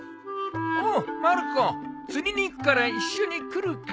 おうまる子釣りに行くから一緒に来るか？